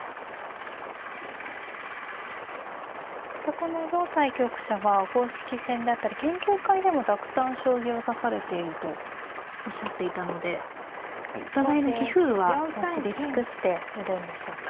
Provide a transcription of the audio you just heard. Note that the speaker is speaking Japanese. この両対局者は公式戦であったり研究会でもたくさん将棋を指されているとおっしゃっていたのでお互いの棋風はもう知り尽くしているんでしょうか。